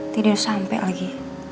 tidak sampai lagi